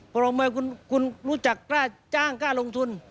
พอลงมือคุณรู้จักกล้าจ้างกล้าลงทุน